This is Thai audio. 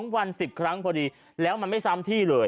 วัน๑๐ครั้งพอดีแล้วมันไม่ซ้ำที่เลย